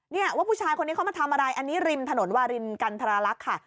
เนี่ยว่าผู้ชายคนนี้เขามาทำอะไรอันนี้ริมถนนวารินกันทรลักษณ์ค่ะ